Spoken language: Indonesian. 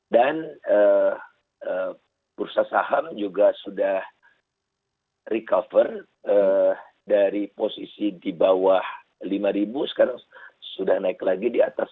dan bursa saham juga sudah recover dari posisi di bawah lima sekarang sudah naik lagi di atas lima